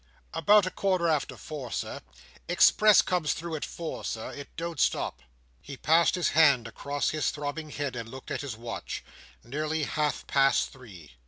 "About a quarter after four, Sir. Express comes through at four, Sir.—It don't stop." He passed his hand across his throbbing head, and looked at his watch. Nearly half past three.